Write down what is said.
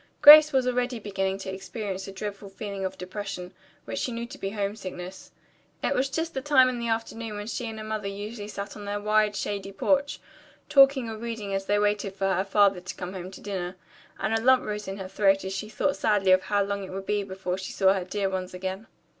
Grace was already beginning to experience a dreadful feeling of depression, which she knew to be homesickness. It was just the time in the afternoon when she and her mother usually sat on their wide, shady porch, talking or reading as they waited for her father to come home to dinner, and a lump rose in her throat as she thought sadly of how long it would be before she saw her dear ones again.